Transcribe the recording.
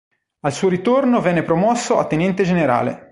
Al suo ritorno venne promosso a tenente generale.